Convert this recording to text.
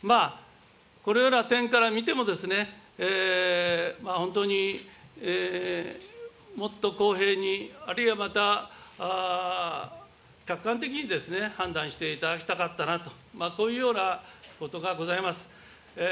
このような点から見ても、本当にもっと公平に、あるいはまた客観的に判断していただきたかったなと、こういうようなことがございます。